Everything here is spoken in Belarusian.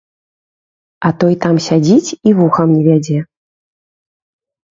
А той там сядзіць і вухам не вядзе.